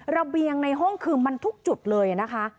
ระเบียงในห้องคือมันทุกจุดเลยนะคะ